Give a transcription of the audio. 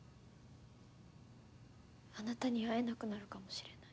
あなたに会えなくなるかもしれない。